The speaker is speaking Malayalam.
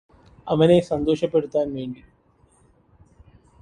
അവനെ സന്തോഷപെടുത്താൻ വേണ്ടി